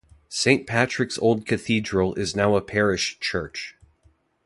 Saint Patrick's Old Cathedral is now a parish church.